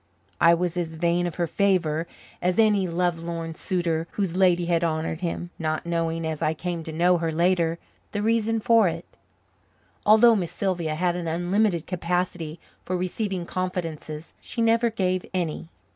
I was as vain of her favour as any lovelorn suitor whose lady had honoured him, not knowing, as I came to know later, the reason for it. Although Miss Sylvia had an unlimited capacity for receiving confidences, she never gave any.